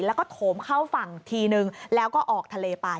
แล้วก็โถมเข้าฝั่งทีนึงแล้วก็ออกทะเลไป